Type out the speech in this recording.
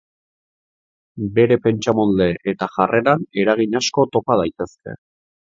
Bere pentsamolde eta jarreran eragin asko topa daitezke.